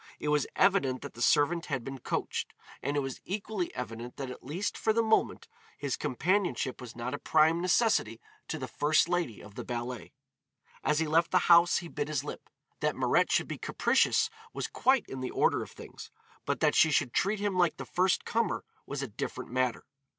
It was evident that the servant had been coached, and it was equally evident that at least for the moment his companionship was not a prime necessity to the first lady of the ballet. As he left the house he bit his lip. That Mirette should be capricious was quite in the order of things, but that she should treat him like the first comer was a different matter.